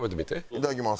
いただきます。